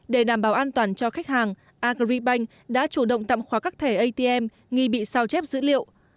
để đảm bảo an toàn cho khách hàng agribank đã chủ động tặng khóa các thẻ atm nghi bị sao chép dữ liệu